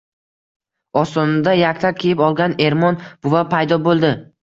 Ostonada yaktak kiyib olgan Ermon buva paydo bo‘ldi.